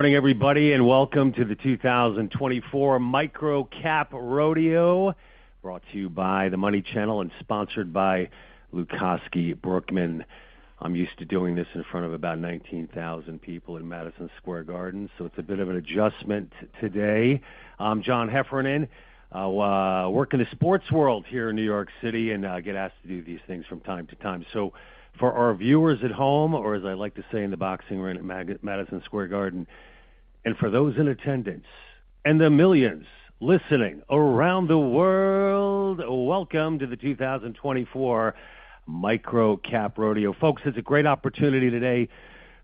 Morning, everybody, and welcome to the 2024 MicroCap Rodeo, brought to you by The Money Channel and sponsored by Lucosky Brookman. I'm used to doing this in front of about nineteen thousand people in Madison Square Garden, so it's a bit of an adjustment today. I'm John Heffernan. I work in the sports world here in New York City, and I get asked to do these things from time to time. So for our viewers at home, or as I like to say in the boxing ring at Madison Square Garden, and for those in attendance and the millions listening around the world, welcome to the 2024 MicroCap Rodeo. Folks, it's a great opportunity today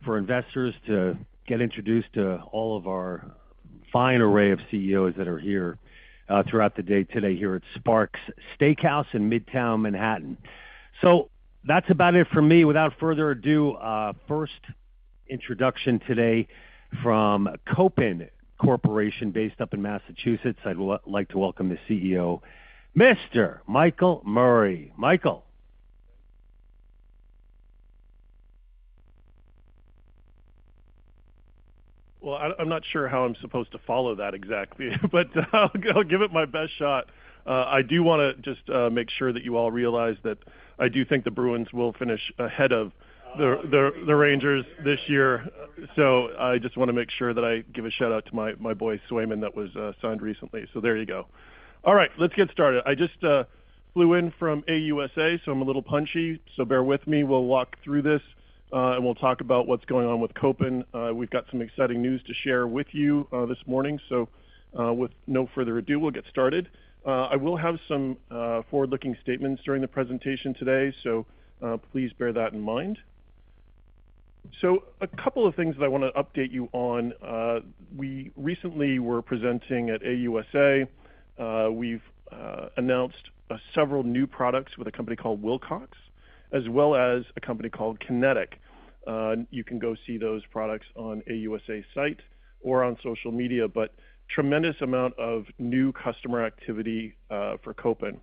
for investors to get introduced to all of our fine array of CEOs that are here, throughout the day today here at Sparks Steak House in Midtown Manhattan. So that's about it for me. Without further ado, first introduction today from Kopin Corporation, based up in Massachusetts. I'd like to welcome the CEO, Mr. Michael Murray. Michael? I'm not sure how I'm supposed to follow that exactly, but I'll give it my best shot. I do wanna just make sure that you all realize that I do think the Bruins will finish ahead of the Rangers this year. So I just wanna make sure that I give a shout-out to my boy Swayman, that was signed recently. So there you go. All right, let's get started. I just flew in from AUSA, so I'm a little punchy, so bear with me. We'll walk through this, and we'll talk about what's going on with Kopin. We've got some exciting news to share with you this morning. So, with no further ado, we'll get started. I will have some forward-looking statements during the presentation today, so please bear that in mind. So a couple of things that I wanna update you on. We recently were presenting at AUSA. We've announced several new products with a company called Wilcox, as well as a company called QinetiQ. You can go see those products on AUSA site or on social media, but tremendous amount of new customer activity for Kopin.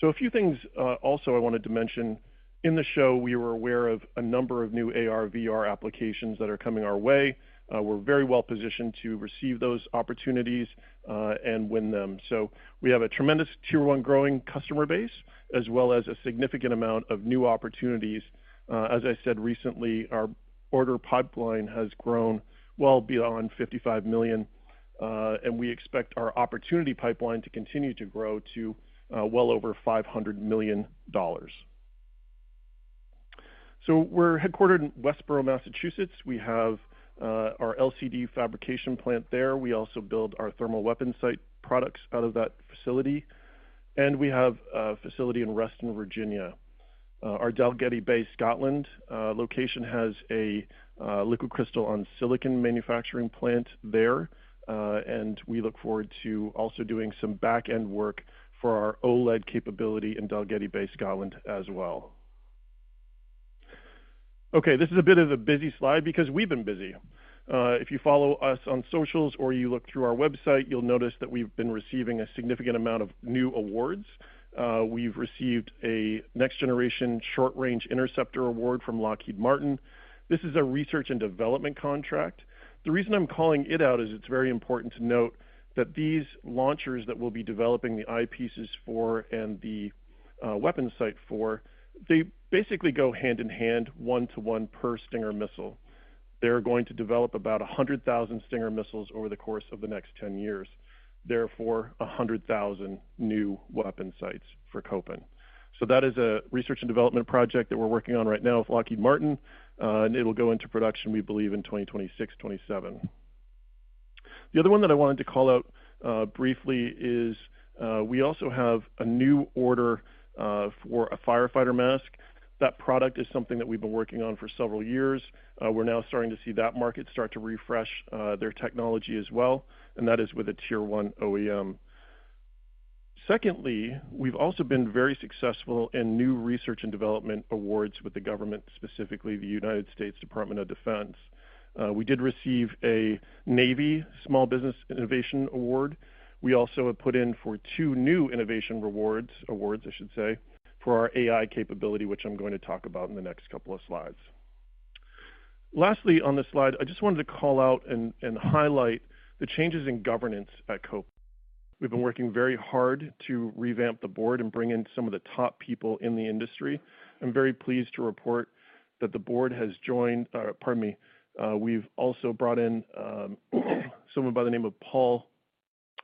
So a few things also I wanted to mention. In the show, we were aware of a number of new AR/VR applications that are coming our way. We're very well positioned to receive those opportunities and win them. So we have a tremendous tier one growing customer base, as well as a significant amount of new opportunities. As I said recently, our order pipeline has grown well beyond $55 million, and we expect our opportunity pipeline to continue to grow to, well over $500 million. So we're headquartered in Westborough, Massachusetts. We have our LCD fabrication plant there. We also build our thermal weapon sight products out of that facility, and we have a facility in Reston, Virginia. Our Dalgety Bay, Scotland, location has a liquid crystal on silicon manufacturing plant there, and we look forward to also doing some back-end work for our OLED capability in Dalgety Bay, Scotland, as well. Okay, this is a bit of a busy slide because we've been busy. If you follow us on socials or you look through our website, you'll notice that we've been receiving a significant amount of new awards. We've received a Next Generation Short Range Interceptor award from Lockheed Martin. This is a research and development contract. The reason I'm calling it out is it's very important to note that these launchers that we'll be developing the eyepieces for and the weapon sight for, they basically go hand in hand, one-to-one per Stinger missile. They're going to develop about 100,000 Stinger missiles over the course of the next 10 years, therefore, 100,000 new weapon sights for Kopin. So that is a research and development project that we're working on right now with Lockheed Martin, and it'll go into production, we believe, in 2026, 2027. The other one that I wanted to call out briefly is, we also have a new order for a firefighter mask. That product is something that we've been working on for several years. We're now starting to see that market start to refresh their technology as well, and that is with a tier one OEM. Secondly, we've also been very successful in new research and development awards with the government, specifically the United States Department of Defense. We did receive a Navy Small Business Innovation Award. We also have put in for two new innovation rewards, awards, I should say, for our AI capability, which I'm going to talk about in the next couple of slides. Lastly, on this slide, I just wanted to call out and highlight the changes in governance at Kopin. We've been working very hard to revamp the board and bring in some of the top people in the industry. I'm very pleased to report that the board has joined... Pardon me. We've also brought in someone by the name of Paul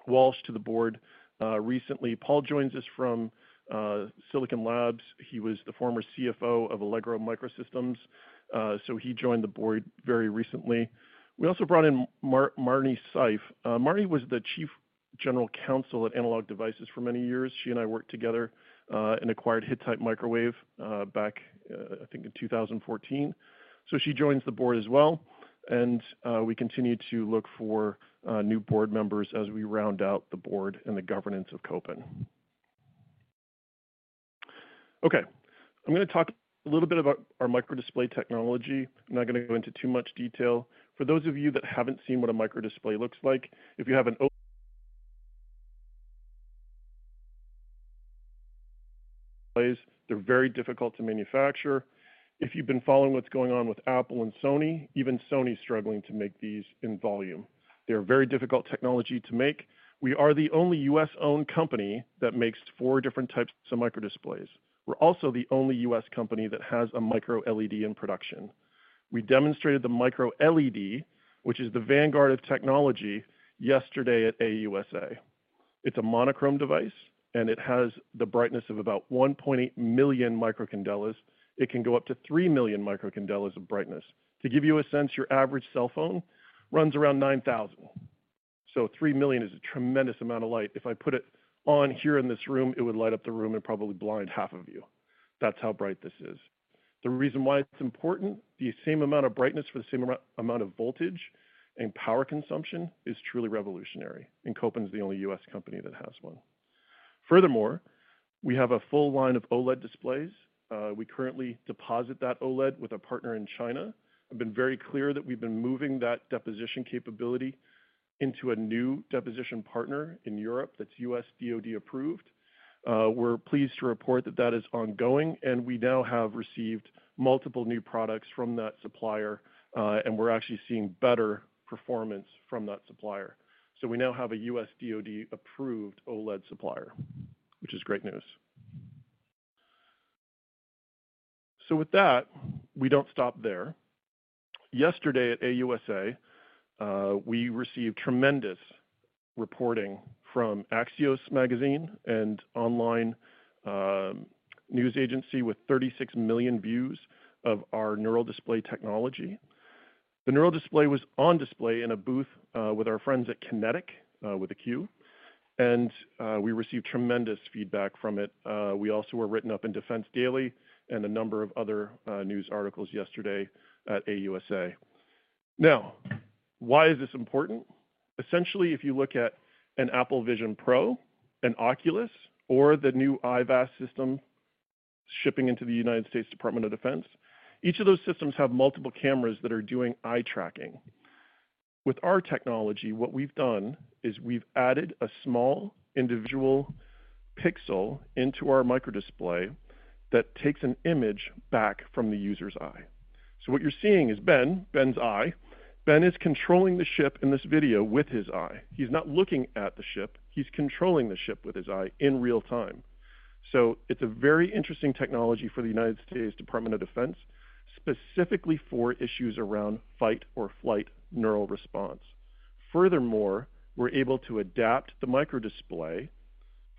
Walsh to the board recently. Paul joins us from Silicon Labs. He was the former CFO of Allegro Microsystems. So he joined the board very recently. We also brought in Marnie Seif. Marnie was the Chief General Counsel at Analog Devices for many years. She and I worked together and acquired Hittite Microwave back I think in two thousand and fourteen. So she joins the board as well, and we continue to look for new board members as we round out the board and the governance of Kopin. Okay, I'm gonna talk a little bit about our microdisplay technology. I'm not gonna go into too much detail. For those of you that haven't seen what a microdisplay looks like, if you have an O-... They're very difficult to manufacture. If you've been following what's going on with Apple and Sony, even Sony is struggling to make these in volume. They're a very difficult technology to make. We are the only U.S.-owned company that makes four different types of microdisplays. We're also the only U.S. company that has a micro LED in production. We demonstrated the micro LED, which is the vanguard of technology, yesterday at AUSA. It's a monochrome device, and it has the brightness of about one point eight million microcandelas. It can go up to three million microcandelas of brightness. To give you a sense, your average cell phone runs around nine thousand, so three million is a tremendous amount of light. If I put it on here in this room, it would light up the room and probably blind half of you. That's how bright this is. The reason why it's important, the same amount of brightness for the same amount of voltage and power consumption is truly revolutionary, and Kopin is the only U.S. company that has one. Furthermore, we have a full line of OLED displays. We currently deposit that OLED with a partner in China. I've been very clear that we've been moving that deposition capability into a new deposition partner in Europe that's U.S. DoD approved. We're pleased to report that that is ongoing, and we now have received multiple new products from that supplier, and we're actually seeing better performance from that supplier. So we now have a U.S. DoD approved OLED supplier, which is great news. So with that, we don't stop there. Yesterday at AUSA, we received tremendous reporting from Axios magazine and online news agency with 36 million views of our NeuralDisplay technology. The NeuralDisplay was on display in a booth with our friends at QinetiQ, with a Q, and we received tremendous feedback from it. We also were written up in Defense Daily and a number of other news articles yesterday at AUSA. Now, why is this important? Essentially, if you look at an Apple Vision Pro, an Oculus, or the new IVAS system shipping into the United States Department of Defense, each of those systems have multiple cameras that are doing eye tracking. With our technology, what we've done is we've added a small individual pixel into our microdisplay that takes an image back from the user's eye. So what you're seeing is Ben, Ben's eye. Ben is controlling the ship in this video with his eye. He's not looking at the ship, he's controlling the ship with his eye in real time. So it's a very interesting technology for the United States Department of Defense, specifically for issues around fight or flight neural response. Furthermore, we're able to adapt the microdisplay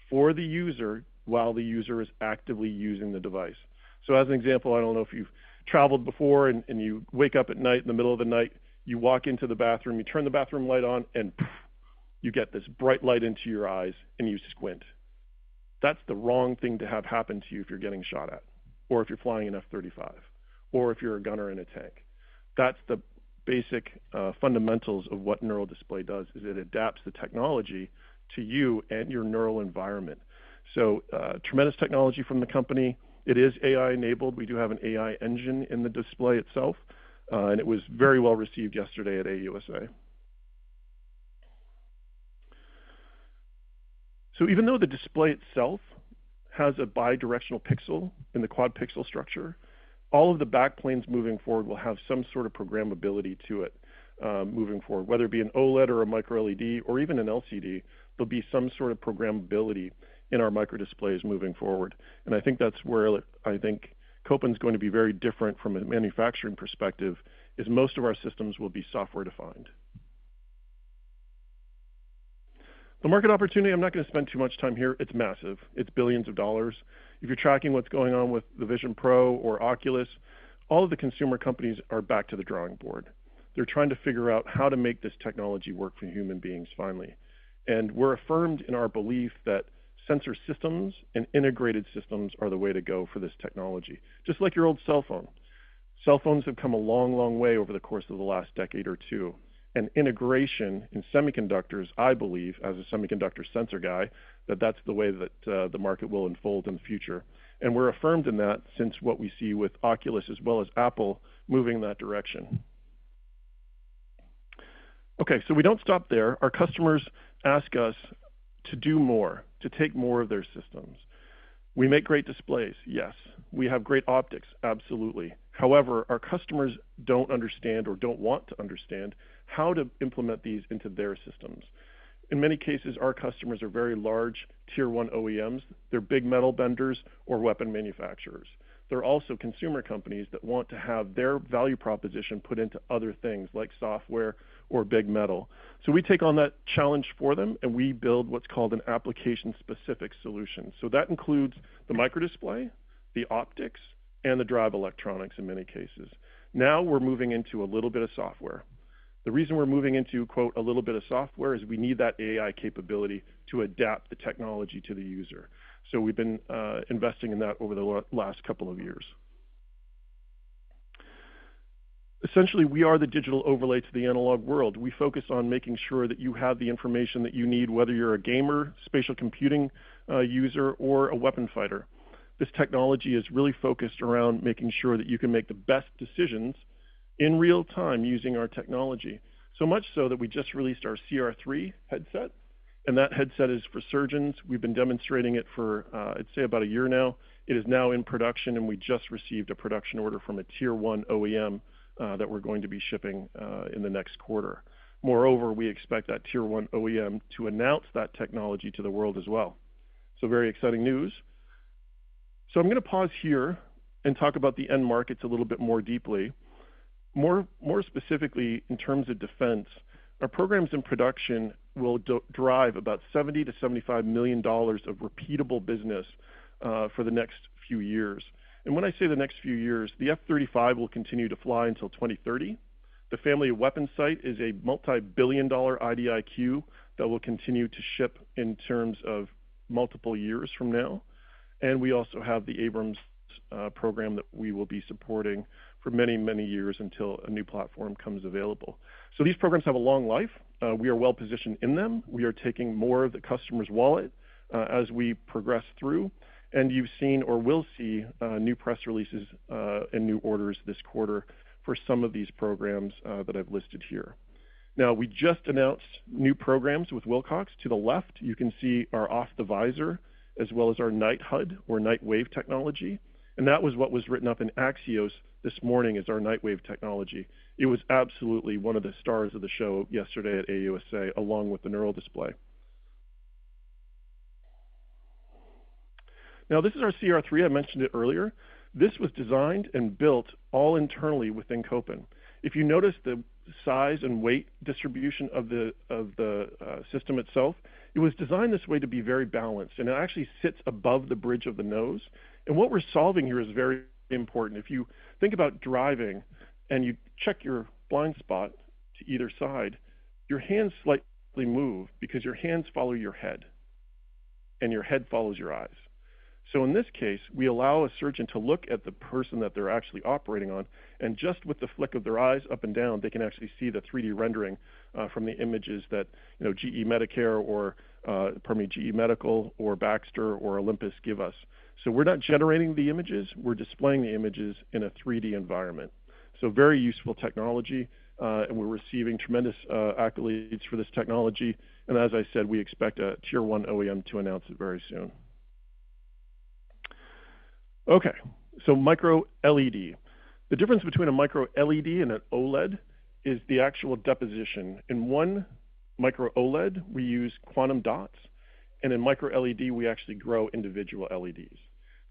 for the user while the user is actively using the device. So as an example, I don't know if you've traveled before and you wake up at night, in the middle of the night, you walk into the bathroom, you turn the bathroom light on, and you get this bright light into your eyes, and you squint. That's the wrong thing to have happen to you if you're getting shot at, or if you're flying an F-35, or if you're a gunner in a tank. That's the basic fundamentals of what Neural Display does, is it adapts the technology to you and your neural environment. So, tremendous technology from the company. It is AI-enabled. We do have an AI engine in the display itself, and it was very well received yesterday at AUSA. So even though the display itself has a bidirectional pixel in the quad pixel structure, all of the backplanes moving forward will have some sort of programmability to it, moving forward. Whether it be an OLED or a micro LED or even an LCD, there'll be some sort of programmability in our microdisplays moving forward. And I think that's where I think Kopin's going to be very different from a manufacturing perspective, is most of our systems will be software-defined. The market opportunity, I'm not gonna spend too much time here. It's massive. It's billions of dollars. If you're tracking what's going on with the Vision Pro or Oculus, all of the consumer companies are back to the drawing board. They're trying to figure out how to make this technology work for human beings finally. And we're affirmed in our belief that sensor systems and integrated systems are the way to go for this technology. Just like your old cell phone. Cell phones have come a long, long way over the course of the last decade or two, and integration in semiconductors, I believe, as a semiconductor sensor guy, that that's the way that the market will unfold in the future. And we're affirmed in that since what we see with Oculus as well as Apple moving in that direction. Okay, so we don't stop there. Our customers ask us to do more, to take more of their systems. We make great displays, yes. We have great optics, absolutely. However, our customers don't understand or don't want to understand how to implement these into their systems. In many cases, our customers are very large Tier One OEMs. They're big metal benders or weapon manufacturers. They're also consumer companies that want to have their value proposition put into other things, like software or big metal. So we take on that challenge for them, and we build what's called an application-specific solution. So that includes the microdisplay, the optics, and the drive electronics in many cases. Now we're moving into a little bit of software. The reason we're moving into, quote, "a little bit of software" is we need that AI capability to adapt the technology to the user. So we've been investing in that over the last couple of years. Essentially, we are the digital overlay to the analog world. We focus on making sure that you have the information that you need, whether you're a gamer, spatial computing user, or a weapon fighter. This technology is really focused around making sure that you can make the best decisions in real time using our technology. So much so that we just released our CR3 headset, and that headset is for surgeons. We've been demonstrating it for, I'd say, about a year now. It is now in production, and we just received a production order from a Tier One OEM that we're going to be shipping in the next quarter. Moreover, we expect that Tier One OEM to announce that technology to the world as well. So very exciting news. So I'm gonna pause here and talk about the end markets a little bit more deeply. More specifically, in terms of defense, our programs in production will drive about $70-$75 million of repeatable business for the next few years. And when I say the next few years, the F-35 will continue to fly until 2030. The Family of Weapon Sights is a multi-billion-dollar IDIQ that will continue to ship in terms of multiple years from now. And we also have the Abrams program that we will be supporting for many, many years until a new platform comes available. So these programs have a long life. We are well positioned in them. We are taking more of the customer's wallet as we progress through, and you've seen or will see new press releases and new orders this quarter for some of these programs that I've listed here. Now, we just announced new programs with Wilcox. To the left, you can see our Off-the-Visor, as well as our NightHUD or NightWave technology, and that was what was written up in Axios this morning as our NightWave technology. It was absolutely one of the stars of the show yesterday at AUSA, along with the NeuralDisplay. Now, this is our CR3. I mentioned it earlier. This was designed and built all internally within Kopin. If you notice the size and weight distribution of the system itself, it was designed this way to be very balanced, and it actually sits above the bridge of the nose, and what we're solving here is very important. If you think about driving and you check your blind spot to either side, your hands slightly move because your hands follow your head, and your head follows your eyes. So in this case, we allow a surgeon to look at the person that they're actually operating on, and just with the flick of their eyes up and down, they can actually see the 3D rendering from the images that, you know, GE Medicare or, pardon me, GE Medical or Baxter or Olympus give us. So we're not generating the images, we're displaying the images in a 3D environment. So very useful technology, and we're receiving tremendous accolades for this technology, and as I said, we expect a Tier One OEM to announce it very soon. Okay, so MicroLED. The difference between a MicroLED and an OLED is the actual deposition. In one micro OLED, we use quantum dots, and in MicroLED, we actually grow individual LEDs.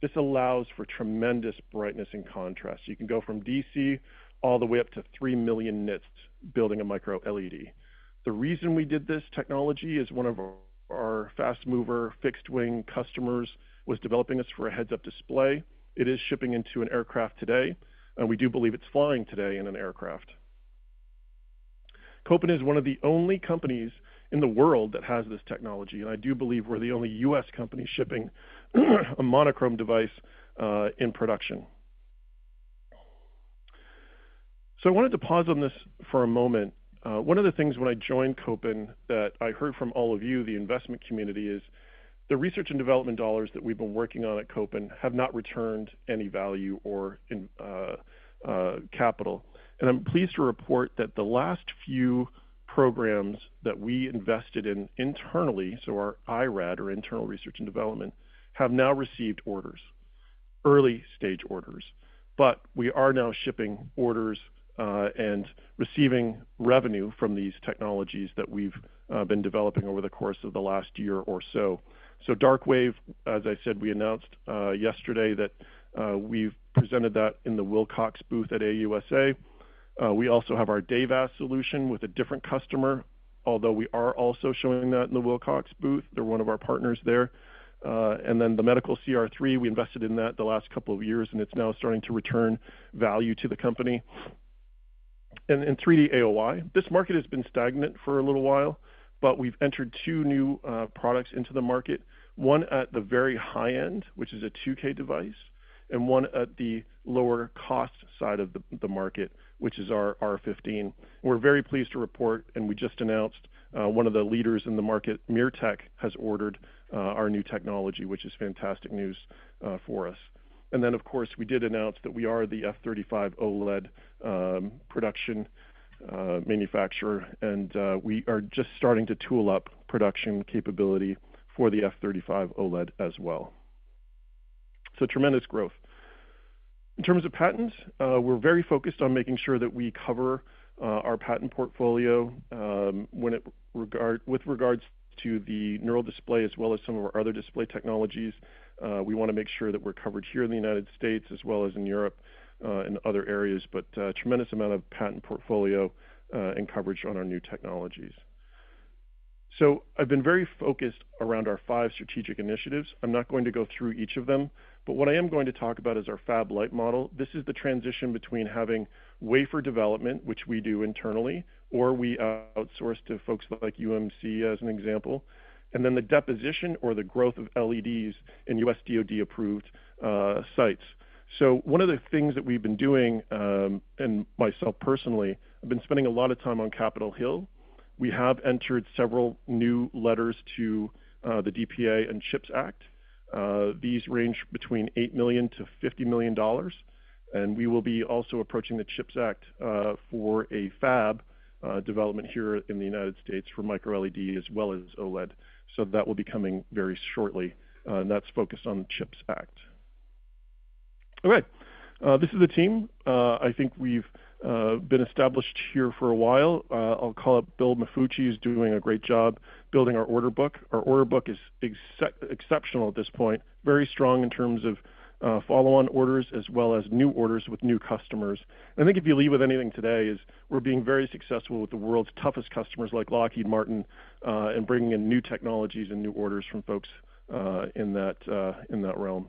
This allows for tremendous brightness and contrast. You can go from DC all the way up to three million nits building a MicroLED. The reason we did this technology is one of our fast mover, fixed-wing customers was developing this for a heads-up display. It is shipping into an aircraft today, and we do believe it's flying today in an aircraft. Kopin is one of the only companies in the world that has this technology, and I do believe we're the only US company shipping a monochrome device, in production. So I wanted to pause on this for a moment. One of the things when I joined Kopin that I heard from all of you, the investment community, is the research and development dollars that we've been working on at Kopin have not returned any value or income. I'm pleased to report that the last few programs that we invested in internally, so our IRAD or internal research and development, have now received orders, early-stage orders. We are now shipping orders and receiving revenue from these technologies that we've been developing over the course of the last year or so. DarkWAVE, as I said, we announced yesterday that we've presented that in the Wilcox booth at AUSA. We also have our DayVAS solution with a different customer, although we are also showing that in the Wilcox booth. They're one of our partners there. And then the medical CR3, we invested in that the last couple of years, and it's now starting to return value to the company. In 3D AOI, this market has been stagnant for a little while, but we've entered two new products into the market. One at the very high end, which is a 2K device, and one at the lower cost side of the market, which is our R-15. We're very pleased to report, and we just announced, one of the leaders in the market, Mirtec, has ordered our new technology, which is fantastic news for us. Then, of course, we did announce that we are the F-35 OLED production manufacturer, and we are just starting to tool up production capability for the F-35 OLED as well. Tremendous growth. In terms of patents, we're very focused on making sure that we cover our patent portfolio with regards to the NeuralDisplay as well as some of our other display technologies. We wanna make sure that we're covered here in the United States as well as in Europe and other areas, but tremendous amount of patent portfolio and coverage on our new technologies. So I've been very focused around our five strategic initiatives. I'm not going to go through each of them, but what I am going to talk about is our Fab Lite model. This is the transition between having wafer development, which we do internally, or we outsource to folks like UMC, as an example, and then the deposition or the growth of LEDs in U.S. DoD-approved sites. One of the things that we've been doing, and myself personally, I've been spending a lot of time on Capitol Hill. We have entered several new letters to the DPA and CHIPS Act. These range between $8 million to $50 million, and we will be also approaching the CHIPS Act for a fab development here in the United States for microLED as well as OLED. That will be coming very shortly, and that's focused on the CHIPS Act. Okay, this is the team. I think we've been established here for a while. I'll call up Bill Maffucci, who's doing a great job building our order book. Our order book is exceptional at this point, very strong in terms of follow-on orders as well as new orders with new customers. I think if you leave with anything today, is we're being very successful with the world's toughest customers, like Lockheed Martin, and bringing in new technologies and new orders from folks, in that, in that realm.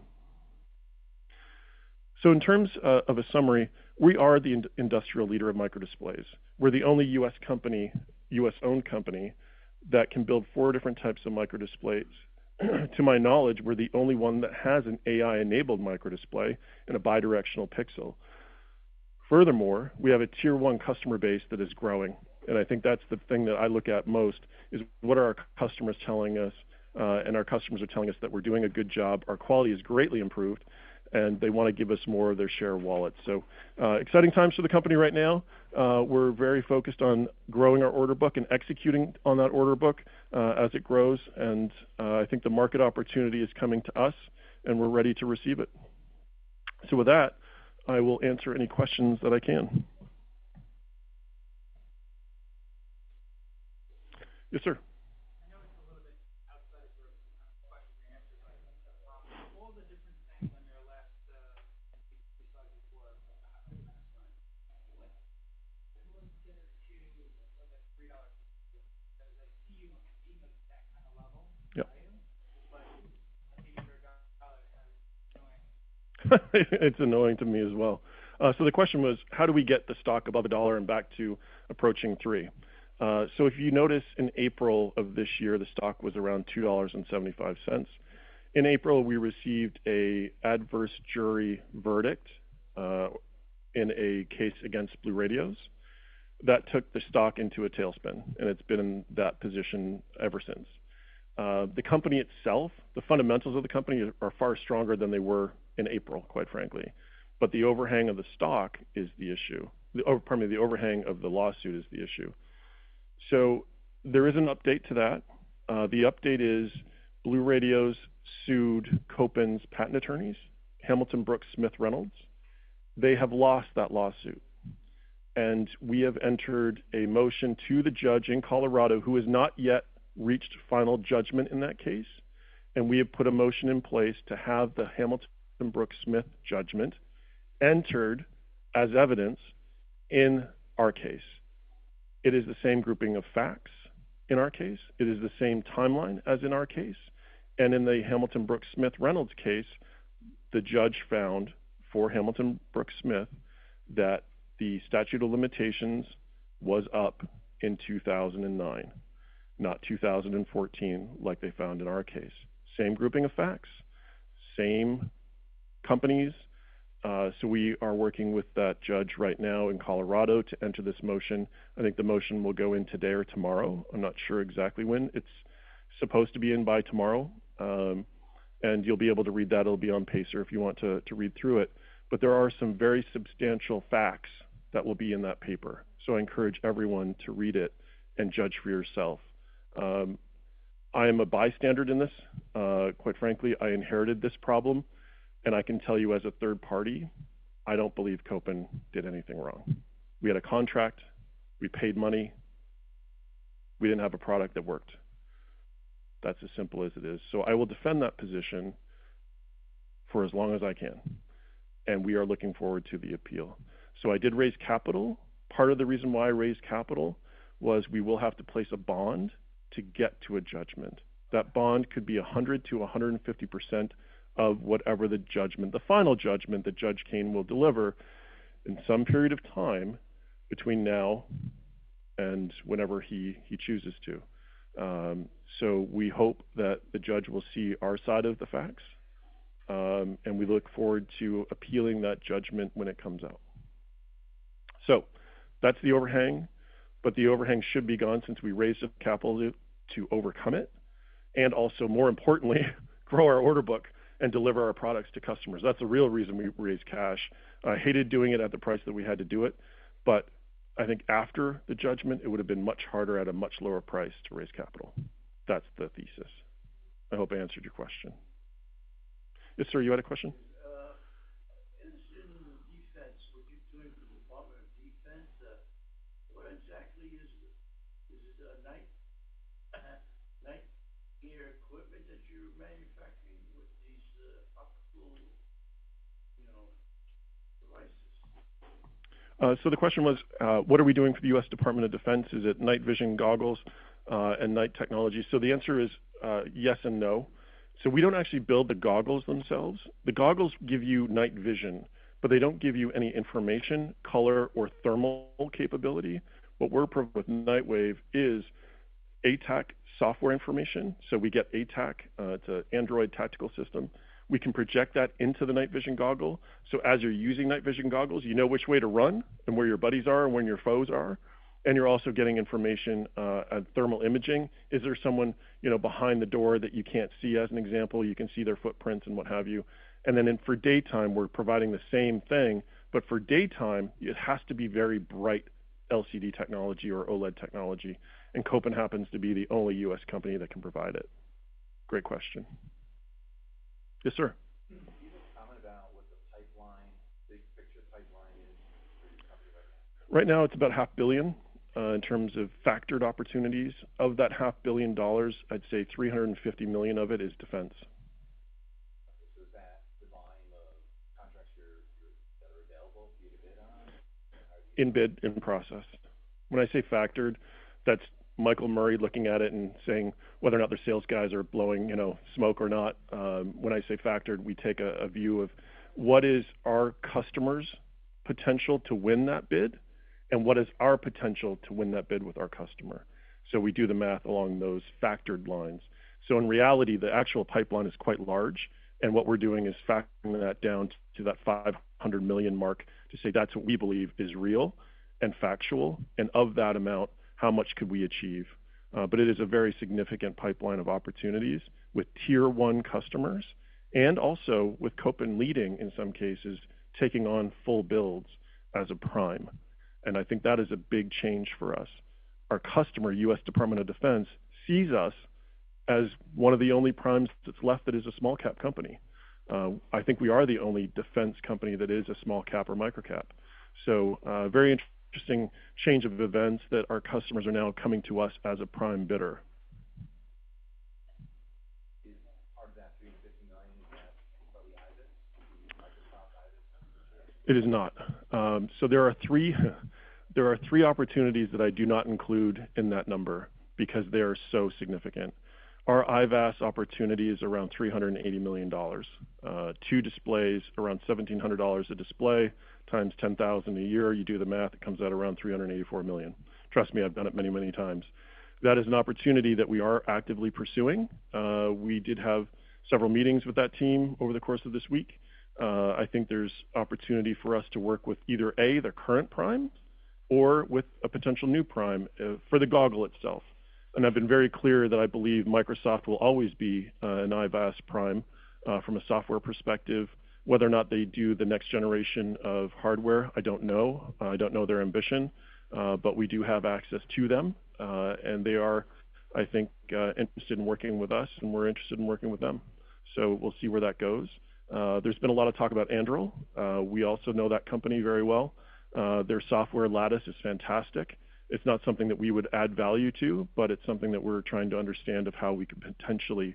So in terms, of a summary, we are the industry leader of microdisplays. We're the only U.S. company, U.S.-owned company, that can build four different types of microdisplays. To my knowledge, we're the only one that has an AI-enabled microdisplay and a bidirectional pixel. Furthermore, we have a tier one customer base that is growing, and I think that's the thing that I look at most, is what are our customers telling us? And our customers are telling us that we're doing a good job, our quality is greatly improved, and they wanna give us more of their share wallet. So, exciting times for the company right now. We're very focused on growing our order book and executing on that order book, as it grows, and, I think the market opportunity is coming to us, and we're ready to receive it. So with that, I will answer any questions that I can. Yes, sir. I know it's a little bit outside sort of question and answer, but all the different things when you're last, we saw before, the last one. It was two, like $3. I see you even that kind of level. Yeah. But I think you're done as annoying. It's annoying to me as well. So the question was, how do we get the stock above $1 and back to approaching $3? So if you notice, in April of this year, the stock was around $2.75. In April, we received an adverse jury verdict, in a case against BlueRadios. That took the stock into a tailspin, and it's been in that position ever since. The company itself, the fundamentals of the company are far stronger than they were in April, quite frankly. But the overhang of the stock is the issue. Pardon me, the overhang of the lawsuit is the issue. So there is an update to that. The update is, BlueRadios sued Kopin's patent attorneys, Hamilton Brook Smith Reynolds. They have lost that lawsuit, and we have entered a motion to the judge in Colorado, who has not yet reached final judgment in that case, and we have put a motion in place to have the Hamilton Brook Smith Reynolds judgment entered as evidence in our case. It is the same grouping of facts in our case, it is the same timeline as in our case, and in the Hamilton Brook Smith Reynolds case, the judge found for Hamilton Brook Smith Reynolds that the statute of limitations was up in 2009, not 2014, like they found in our case. Same grouping of facts, same companies, so we are working with that judge right now in Colorado to enter this motion. I think the motion will go in today or tomorrow. I'm not sure exactly when. It's supposed to be in by tomorrow, and you'll be able to read that. It'll be on PACER if you want to read through it. But there are some very substantial facts that will be in that paper, so I encourage everyone to read it and judge for yourself. I am a bystander in this. Quite frankly, I inherited this problem, and I can tell you as a third party, I don't believe Kopin did anything wrong. We had a contract, we paid money, we didn't have a product that worked. That's as simple as it is. So I will defend that position for as long as I can, and we are looking forward to the appeal. So I did raise capital. Part of the reason why I raised capital was we will have to place a bond to get to a judgment. That bond could be 100%-150% of whatever the judgment, the final judgment that Judge Kane will deliver in some period of time between now and whenever he chooses to. So we hope that the judge will see our side of the facts, and we look forward to appealing that judgment when it comes out. So that's the overhang, but the overhang should be gone since we raised the capital to overcome it, and also, more importantly, grow our order book and deliver our products to customers. That's the real reason we raised cash. I hated doing it at the price that we had to do it, but I think after the judgment, it would have been much harder at a much lower price to raise capital. That's the thesis. I hope I answered your question. Yes, sir, you had a question? In the defense, what you're doing for the Department of Defense, what exactly is it? Is it night gear equipment that you're manufacturing with these optical, you know, devices? So the question was, what are we doing for the U.S. Department of Defense? Is it night vision goggles and night technology? So the answer is, yes and no. So we don't actually build the goggles themselves. The goggles give you night vision, but they don't give you any information, color, or thermal capability. What we're providing with NightWave is ATAK software information. So we get ATAK, it's an Android tactical system we can project that into the night vision goggle. So as you're using night vision goggles, you know which way to run and where your buddies are and where your foes are, and you're also getting information at thermal imaging. Is there someone, you know, behind the door that you can't see, as an example, you can see their footprints and what have you. And then, for daytime, we're providing the same thing, but for daytime, it has to be very bright LCD technology or OLED technology, and Kopin happens to be the only U.S. company that can provide it. Great question. Yes, sir. Can you just comment about what the pipeline, big picture pipeline is for your company right now? Right now, it's about $500 million in terms of factored opportunities. Of that $500 million, I'd say $350 million of it is defense. So is that the volume of contracts that are available for you to bid on? In bid, in process. When I say factored, that's Michael Murray looking at it and saying whether or not their sales guys are blowing, you know, smoke or not. When I say factored, we take a view of what is our customer's potential to win that bid and what is our potential to win that bid with our customer. So we do the math along those factored lines. So in reality, the actual pipeline is quite large, and what we're doing is factoring that down to that $500 million mark to say that's what we believe is real and factual, and of that amount, how much could we achieve? But it is a very significant pipeline of opportunities with tier one customers, and also with Kopin leading, in some cases, taking on full builds as a prime, and I think that is a big change for us. Our customer, U.S. Department of Defense, sees us as one of the only primes that's left that is a small cap company. I think we are the only defense company that is a small cap or micro cap. So, very interesting change of events that our customers are now coming to us as a prime bidder. Is that $350 million that includes Microsoft? It is not. So there are three opportunities that I do not include in that number because they are so significant. Our IVAS opportunity is around $380 million, two displays, around $1,700 a display, times 10,000 a year. You do the math, it comes out around $384 million. Trust me, I've done it many, many times. That is an opportunity that we are actively pursuing. We did have several meetings with that team over the course of this week. I think there's opportunity for us to work with either A, their current prime or with a potential new prime for the goggle itself, and I've been very clear that I believe Microsoft will always be an IVAS prime from a software perspective. Whether or not they do the next generation of hardware, I don't know. I don't know their ambition, but we do have access to them, and they are, I think, interested in working with us, and we're interested in working with them. So we'll see where that goes. There's been a lot of talk about Anduril. We also know that company very well. Their software, Lattice, is fantastic. It's not something that we would add value to, but it's something that we're trying to understand of how we could potentially,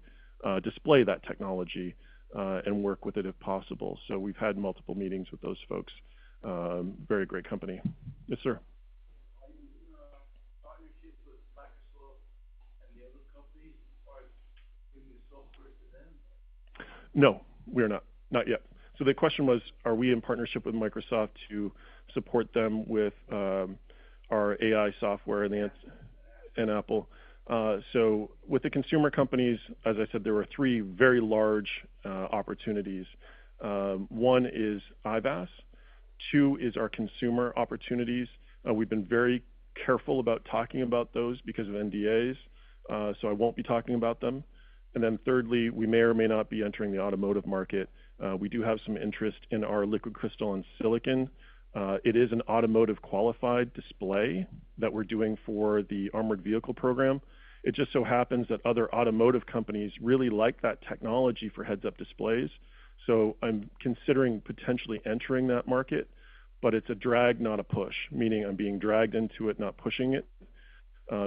display that technology, and work with it if possible. So we've had multiple meetings with those folks. Very great company. Yes, sir. Are you in a partnership with Microsoft and the other companies, are you bringing software to them? No, we are not. Not yet. So the question was, are we in partnership with Microsoft to support them with our AI software and Apple? So with the consumer companies, as I said, there were three very large opportunities. One is IVAS, two is our consumer opportunities. We've been very careful about talking about those because of NDAs, so I won't be talking about them. And then thirdly, we may or may not be entering the automotive market. We do have some interest in our liquid crystal and silicon. It is an automotive-qualified display that we're doing for the armored vehicle program. It just so happens that other automotive companies really like that technology for heads-up displays. So I'm considering potentially entering that market, but it's a drag, not a push, meaning I'm being dragged into it, not pushing it,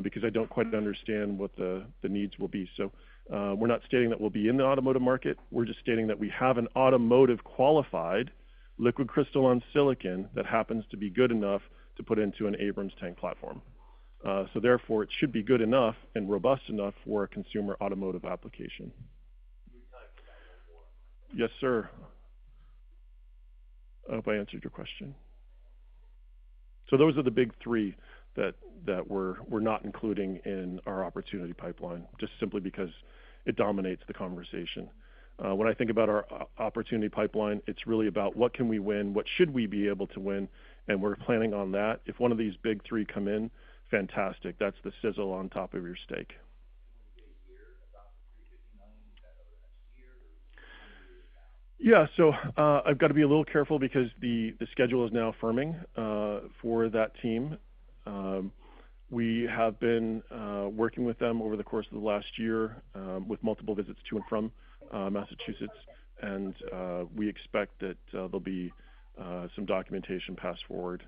because I don't quite understand what the needs will be. So, we're not stating that we'll be in the automotive market. We're just stating that we have an automotive-qualified liquid crystal on silicon that happens to be good enough to put into an Abrams tank platform. So therefore, it should be good enough and robust enough for a consumer automotive application. Yes, sir. I hope I answered your question. So those are the big three that we're not including in our opportunity pipeline, just simply because it dominates the conversation. When I think about our opportunity pipeline, it's really about what can we win, what should we be able to win, and we're planning on that. If one of these big three come in, fantastic. That's the sizzle on top of your steak. In a year, about the $350 million, is that over the next year or? Yeah, so, I've got to be a little careful because the schedule is now firming for that team. We have been working with them over the course of the last year with multiple visits to and from Massachusetts, and we expect that there'll be some documentation passed forward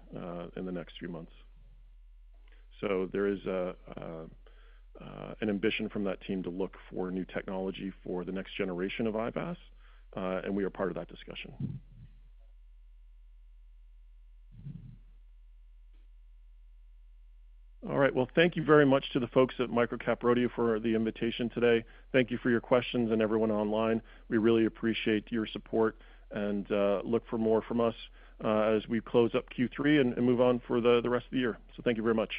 in the next few months. So there is an ambition from that team to look for new technology for the next generation of IVAS, and we are part of that discussion. All right, well, thank you very much to the folks at MicroCap Rodeo for the invitation today. Thank you for your questions and everyone online. We really appreciate your support and look for more from us as we close up Q3 and move on for the rest of the year. Thank you very much.